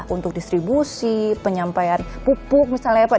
untuk distribusi penyampaian pupuk misalnya ya pak